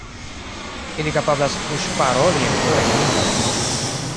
Ili kapablas fuŝparoli en pluraj lingvoj.